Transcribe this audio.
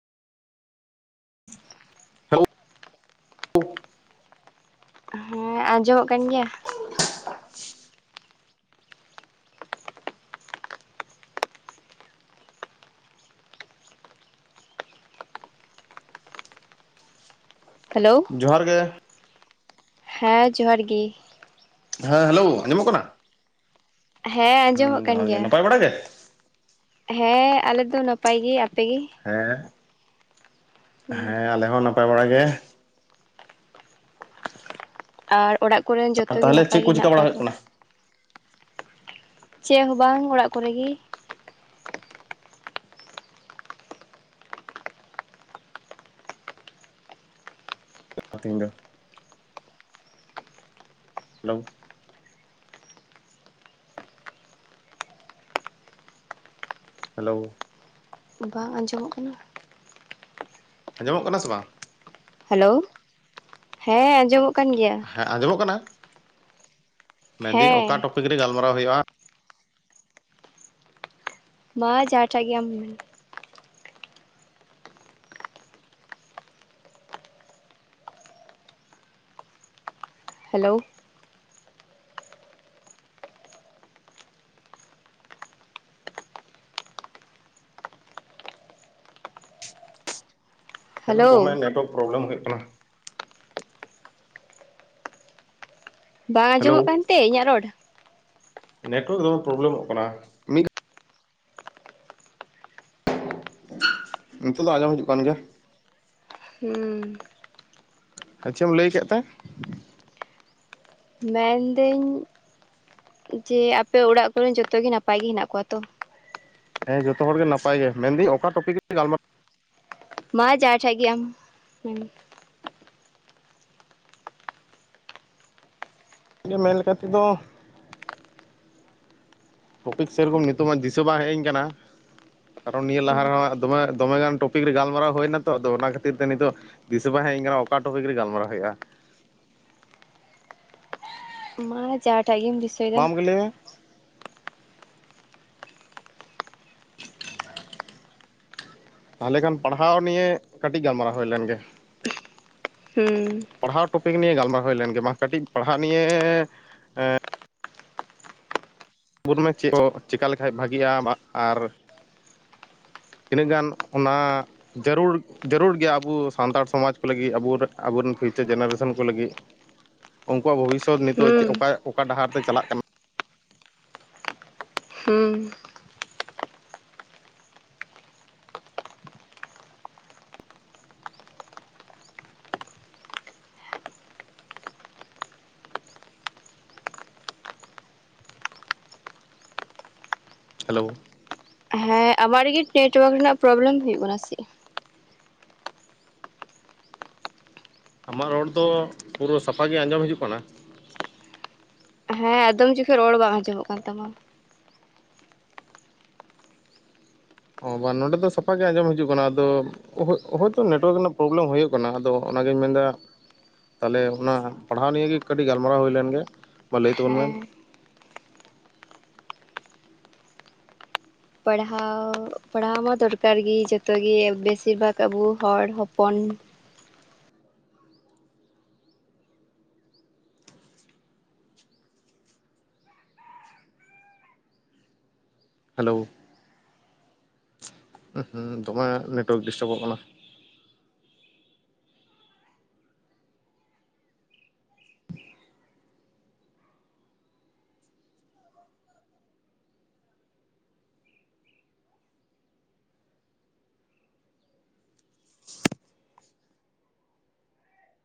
Hello, ᱦᱮᱸ ᱟᱸᱡᱚᱢᱚᱜ ᱠᱟᱱ ᱜᱮᱭᱟ ᱾ [unintelligible] ᱦᱮᱞᱳᱣ, ᱡᱚᱦᱟᱨ ᱜᱮ᱾ ᱦᱮᱸ ᱡᱚᱦᱟᱨ ᱜᱤ᱾ ᱦᱮᱸ ᱦᱮᱞᱳ ᱟᱸᱡᱚᱢᱚᱜ ᱠᱟᱱᱟ? ᱦᱮᱸ ᱟᱸᱡᱚᱢᱚᱜ ᱠᱟᱱ ᱜᱮᱭᱟ ᱾ ᱚᱲᱮ ᱜᱮ, ᱦᱮᱸ ᱟᱞᱮ ᱫᱚ ᱱᱟᱯᱟᱭ ᱜᱮ ᱟᱯᱮ ᱜᱮ? ᱦᱮᱸ ᱦᱮᱸ ᱟᱞᱮ ᱦᱚᱸ ᱱᱟᱯᱟᱭ ᱵᱟᱲᱟ ᱜᱮ ᱾ ᱟᱨ ᱚᱲᱟᱜ ᱠᱚᱨᱮᱱ ᱡᱚᱛᱚ ᱜᱮ ᱛᱟᱦᱚᱞᱮ ᱱᱟᱯᱟᱭ ᱪᱮᱫ ᱜᱮ ᱠᱚ ᱪᱤᱠᱟ ᱦᱮᱱᱟᱜ ᱵᱟᱲᱟ ᱠᱚᱣᱟ ᱦᱩᱭᱩᱜ ᱛᱚ? ᱠᱟᱱᱟ ᱪᱮᱫ ᱦᱚᱸ ᱵᱟᱝ ᱚᱲᱟᱜ ᱠᱚᱨᱮ ᱜᱮ ᱾ [unintelligible] ᱦᱮᱞᱳᱣ᱾ ᱦᱮᱞᱳᱣ᱾ ᱵᱟᱝ ᱟᱸᱡᱚᱢᱚᱜ ᱠᱟᱱᱟ ᱾ ᱟᱸᱡᱚᱢᱚᱜ ᱠᱟᱱᱟ ᱥᱮ ᱵᱟᱝ? ᱦᱮᱞᱳ ᱦᱮᱸ ᱟᱸᱡᱚᱢᱚᱜ ᱠᱟᱱ ᱜᱮᱭᱟ ᱾ ᱦᱮᱸ ᱟᱸᱡᱚᱢᱚᱜ ᱠᱟᱱᱟ ᱢᱮᱱᱫᱟᱹᱧ ᱚᱠᱟ ᱦᱮᱸ ᱴᱨᱚᱯᱤᱠ ᱨᱮ ᱜᱟᱞᱢᱟᱨᱟᱣ ᱦᱩᱭᱩᱜᱼᱟ? ᱢᱟ ᱡᱟᱦᱟᱴᱟᱜ ᱜᱮ ᱟᱢ ᱾ ᱦᱮᱞᱳᱣ᱾ ᱦᱮᱞᱳ ᱫᱚᱢᱮ ᱱᱮᱴᱣᱟᱨᱠ ᱯᱨᱚᱵᱞᱮᱢ ᱦᱩᱭᱩᱜ ᱠᱟᱱᱟ ᱾ ᱵᱟᱝ ᱦᱮᱞᱳ ᱟᱸᱡᱚᱢᱚᱜ ᱠᱟᱱᱛᱮ ᱤᱧᱟᱹᱜ ᱨᱚᱲ? ᱱᱮᱴᱳᱣᱟᱨᱠ ᱫᱚᱢᱮ ᱯᱨᱚᱵᱞᱮᱢᱚᱜ ᱠᱟᱱᱟ ᱢᱤᱫ ᱱᱤᱛᱚᱜ ᱫᱚ ᱟᱸᱡᱚᱢ ᱦᱤᱡᱩᱜ ᱠᱟᱱ ᱜᱮᱭᱟ᱾ ᱦᱩ, ᱪᱮᱫ ᱪᱚᱢ ᱞᱟᱹᱭ ᱠᱮᱫ ᱛᱮᱸ? ᱢᱮᱱᱫᱟᱹᱧ ᱡᱮ ᱟᱯᱮ ᱚᱲᱟᱜ ᱠᱚᱨᱮᱱ ᱡᱚᱛᱚ ᱜᱮ ᱱᱟᱯᱟᱭ ᱜᱮ ᱦᱮᱱᱟᱜ ᱠᱚᱣᱟ ᱛᱚ? ᱦᱮᱸ ᱡᱚᱛᱚ ᱦᱚᱲ ᱜᱮ ᱱᱟᱯᱟᱭ ᱜᱮ ᱢᱮᱱᱫᱟᱹᱧ ᱚᱠᱟ ᱴᱨᱚᱯᱤᱠ ᱨᱮ ᱜᱟᱞᱢᱟᱨᱟᱣ ᱢᱟ ᱡᱟᱦᱟᱴᱟᱜ ᱟᱢ? ᱤᱧᱟᱹᱜ ᱢᱮᱱ ᱞᱮᱠᱟᱛᱮᱫᱚ ᱴᱨᱚᱯᱤᱠ ᱥᱮᱨᱚᱠᱚᱢ ᱱᱤᱛᱚᱜ ᱢᱟ ᱫᱤᱥᱟᱹ ᱵᱟᱝ ᱦᱮᱡ ᱟᱹᱧ ᱠᱟᱱᱟ ᱠᱟᱨᱚᱱ ᱱᱤᱭᱟᱹ ᱞᱟᱦᱟ ᱨᱮᱦᱚᱸ ᱫᱚᱢᱮ ᱫᱚᱢᱮᱜᱟᱱ ᱴᱚᱯᱤᱠ ᱨᱮ ᱜᱟᱞᱢᱟᱨᱟᱣ ᱦᱩᱭᱱᱟ ᱛᱚ ᱟᱫᱚ ᱚᱱᱟ ᱠᱷᱟᱹᱛᱤᱨ ᱛᱮ ᱱᱤᱛᱚᱜ ᱫᱤᱥᱟᱹ ᱵᱟᱝ ᱦᱮᱡᱽ ᱤᱧ ᱠᱟᱱᱟ ᱚᱠᱟ ᱴᱚᱯᱤᱠ ᱨᱮ ᱜᱟᱞᱢᱟᱨᱟᱣ ᱦᱩᱭᱩᱜᱼᱟ ᱾ ᱦᱚᱸ ᱡᱟᱦᱟᱸ ᱴᱟᱜ ᱜᱮᱢ ᱫᱤᱥᱟᱹ ᱟᱢ ᱜᱮ ᱞᱟᱹᱭ ᱢᱮ ᱾ ᱛᱟᱦᱚᱞᱮ ᱠᱷᱟᱱ ᱯᱟᱲᱦᱟᱣ ᱱᱤᱭᱟᱹ ᱠᱟᱹᱴᱤᱡ ᱜᱟᱞᱢᱟᱨᱟᱣ ᱦᱩᱭ ᱞᱮᱱ ᱜᱮ᱾ ᱦᱩᱸ᱾ ᱯᱟᱲᱦᱟᱣ ᱴᱚᱯᱤᱠ ᱱᱤᱭᱮ ᱜᱟᱞᱢᱟᱨ ᱦᱩᱭ ᱞᱮᱱ ᱜᱮ ᱵᱟᱝ ᱠᱟᱹᱴᱤᱡ ᱯᱟᱲᱦᱟᱣ ᱱᱤᱭᱮᱻ ᱵᱩᱫ ᱢᱮ ᱪᱮᱫ ᱪᱮᱠᱟ ᱞᱮᱠᱟᱱ ᱵᱷᱟᱜᱤᱜᱼᱟ ᱟᱨ ᱛᱤᱱᱟᱹᱜ ᱜᱟᱱ ᱚᱱᱟ ᱡᱟᱹᱨᱩᱲ ᱡᱟᱹᱨᱩᱲ ᱜᱮᱭᱟ ᱟᱵᱚ ᱥᱟᱱᱛᱟᱲ ᱥᱚᱢᱟᱡᱽ ᱠᱚ ᱞᱟᱹᱜᱤᱫ ᱟᱵᱚᱨ ᱟᱵᱚᱨᱮᱱ ᱯᱷᱤᱭᱩᱪᱟᱨ ᱡᱮᱱᱟᱨᱮᱥᱚᱱ ᱠᱚ ᱞᱟᱹᱜᱤᱫ? ᱩᱱᱠᱩᱣᱟᱜ ᱵᱷᱚᱵᱤᱥᱥᱚᱛ ᱱᱤᱛᱚᱜ ᱪᱮᱜ ᱦᱩᱸ ᱚᱠᱟ ᱚᱠᱟ ᱰᱟᱦᱟᱨ ᱛᱮ ᱪᱟᱞᱟᱜ ᱠᱟᱱᱟ? ᱦᱩᱸ ᱾ ᱦᱮᱞᱳ! ᱦᱮᱸ ᱟᱢᱟᱜ ᱨᱮᱜᱮ ᱱᱮᱴᱳᱣᱟᱨᱠ ᱨᱮᱱᱟᱜ ᱯᱨᱚᱵᱽᱞᱮᱢ ᱦᱩᱭᱩᱜ ᱠᱟᱱᱟ ᱥᱮ ᱪᱮᱜ? ᱟᱢᱟᱜ ᱨᱚᱲ ᱫᱚ ᱯᱩᱨᱟᱹ ᱥᱟᱯᱷᱟ ᱜᱮ ᱟᱸᱡᱚᱢ ᱦᱤᱡᱩᱜ ᱠᱟᱱᱟ ᱾ ᱦᱮᱸ ᱟᱠᱫᱚᱢ ᱡᱚᱠᱷᱚᱡ ᱨᱚᱲ ᱵᱟᱝ ᱟᱸᱡᱚᱢᱚᱜ ᱠᱟᱱ ᱛᱟᱢᱟ ᱾ ᱚ ᱵᱟᱝ ᱱᱚᱸᱰᱮ ᱫᱚ ᱥᱟᱯᱟ ᱜᱮ ᱟᱸᱡᱚᱢ ᱦᱤᱡᱩᱜ ᱠᱟᱱᱟ ᱟᱫᱚ ᱦᱳᱭ ᱦᱚᱳᱭᱛᱳ ᱱᱮᱴᱳᱣᱟᱨᱠ ᱨᱮᱱᱟᱜ ᱯᱨᱚᱵᱽᱞᱮᱢ ᱦᱩᱭᱩᱜ ᱠᱟᱱᱟ ᱟᱫᱚ ᱚᱱᱟᱜᱤᱧ ᱢᱮᱱᱫᱟ ᱛᱟᱦᱚᱞᱮ ᱚᱱᱟ ᱯᱟᱲᱦᱟᱣ ᱱᱤᱭᱮ ᱜᱮ ᱠᱟᱹᱴᱤᱡ ᱜᱟᱞᱢᱟᱨᱟᱣ ᱦᱩᱭᱞᱮᱱ ᱜᱮ ᱢᱟ ᱞᱟᱹᱭ ᱛᱟᱵᱚᱱ ᱢᱮ ᱦᱮᱸ ᱾ ᱯᱟᱲᱦᱟᱣ ᱯᱟᱲᱦᱟᱣ ᱢᱟ ᱫᱚᱨᱠᱟᱨ ᱜᱮ ᱡᱚᱛᱚ ᱜᱮ ᱵᱮᱥᱤᱨ ᱵᱷᱟᱜᱽ ᱟᱵᱚ ᱦᱚᱲ ᱦᱚᱯᱚᱱ ᱾ ᱦᱮᱞᱳᱸ! ᱩᱸᱦᱩᱸ ᱫᱚᱢᱮ ᱱᱮᱴᱣᱟᱨᱠ ᱰᱤᱥᱴᱟᱵᱚᱜ ᱠᱟᱱᱟ ᱾